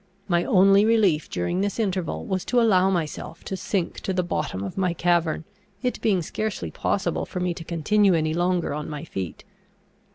My only relief during this interval was to allow myself to sink to the bottom of my cavern, it being scarcely possible for me to continue any longer on my feet.